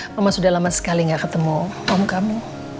mama sudah lama sekali gak ketemu om kamu